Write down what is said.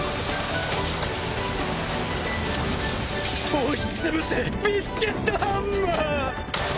押し潰せビスケットハンマー！